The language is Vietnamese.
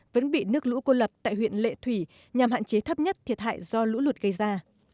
vẫn bị nước lũ cô lập tại huyện lệ thủy nhằm hạn chế thấp nhất thiệt hại do lũ lụt gây ra